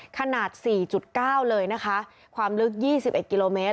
ขนาด๔๙เลยนะคะความลึก๒๑กิโลเมตร